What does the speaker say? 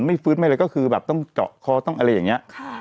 ไม่ฟื้นไม่อะไรก็คือแบบต้องเจาะคอต้องอะไรอย่างนี้